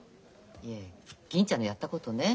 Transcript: いえ銀ちゃんのやったことね